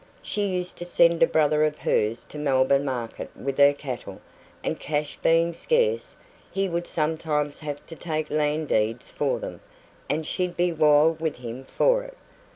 She used to send a brother of hers to Melbourne market with her cattle, and cash being scarce, he would sometimes have to take land deeds for them, and she'd be wild with him for it.